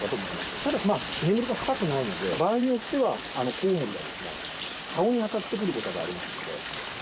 ただまあ、眠りが深くないので、場合によっては、コウモリが顔に当たってくることがありますので。